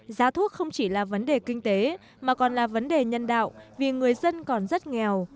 giá thuốc không chỉ là vấn đề kinh tế mà còn là vấn đề nhân đạo vì người dân còn rất nghèo